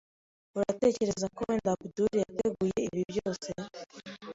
Uratekereza ko wenda Abdul yateguye ibi byose?